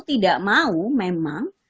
tidak mau memang